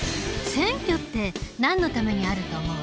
選挙ってなんのためにあると思う？